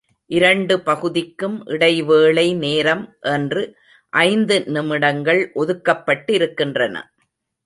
இரண்டு பகுதிக்கும் இடைவேளை நேரம் என்று ஐந்து நிமிடங்கள் ஒதுக்கப்பட்டிருக்கின்றன.